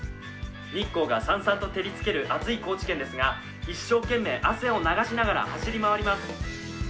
日光がさんさんと照りつける暑い高知県ですが一生懸命汗を流しながら走り回ります。